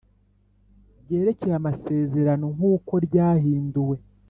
ryerekeye amasezerano nk uko ryahinduwe